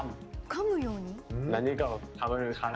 かむように？